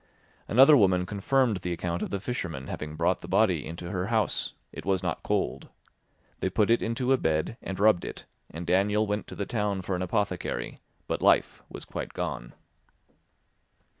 Another woman confirmed the account of the fishermen having brought the body into her house; it was not cold. They put it into a bed and rubbed it, and Daniel went to the town for an apothecary, but life was quite gone.